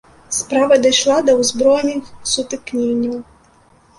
Справа дайшла да ўзброеных сутыкненняў.